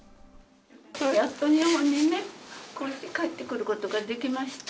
やっと日本にね、こうやって帰ってくることができました。